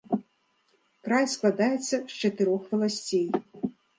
Край складаецца з чатырох валасцей.